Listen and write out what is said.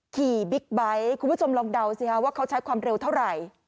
บิ๊กไบท์คุณผู้ชมลองเดาสิฮะว่าเขาใช้ความเร็วเท่าไหร่